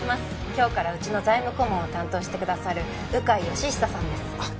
今日からうちの財務顧問を担当してくださる鵜飼吉久さんですあっ